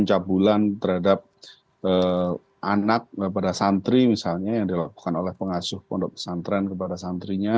pencabulan terhadap anak kepada santri misalnya yang dilakukan oleh pengasuh pondok pesantren kepada santrinya